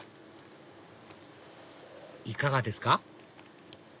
いかがですか？